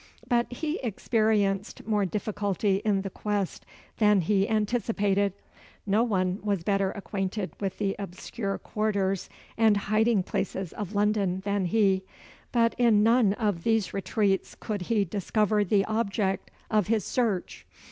But he experienced more difficulty in the quest than he anticipated. No one was better acquainted with the obscure quarters and hiding places of London than he; but in none of these retreats could he discover the object of his search.